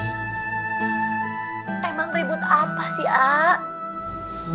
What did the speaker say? emang ribut apa sih ak